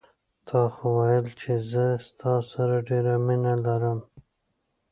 تا خو ویل چې زه ستا سره ډېره مینه لرم